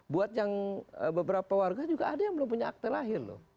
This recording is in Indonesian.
buat yang beberapa warga juga ada yang belum punya akte lahir loh